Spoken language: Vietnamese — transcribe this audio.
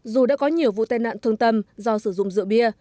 dù đã có nhiều vụ tai nạn thương tâm do sử dụng rượu bia